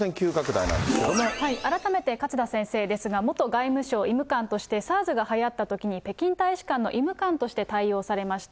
改めて勝田先生ですが、元外務省医務官としてＳＡＲＳがはやったときに、北京大使館の医務官として対応されました。